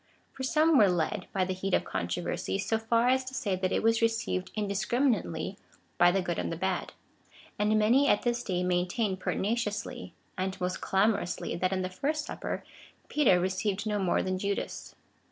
For some were led, by the heat of controversy, so far as to say, that it was received indiscriminately by the good and the bad ; and many at this day maintain pertinaciously, and most clamor ously, that in the first Supper Peter received no more than Judas.